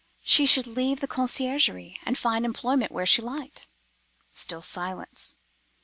She should leave the conciergerie, and find employment where she liked. Still silence.